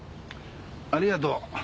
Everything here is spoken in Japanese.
ありがとう。